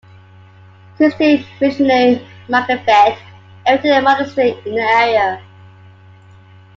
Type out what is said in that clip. Christian Missionary Mackevet erected a monastery in the area.